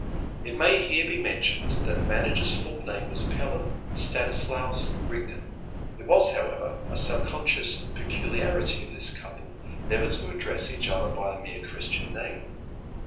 It may here be mentioned that the manager's full name was Pelham Stanislaus Rigden; it was, however, a subconscious peculiarity of this couple never to address each other by a mere Christian name.